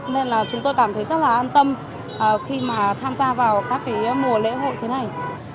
nên là chúng tôi cảm thấy rất là an tâm khi mà tham gia vào các mùa lễ hội thế này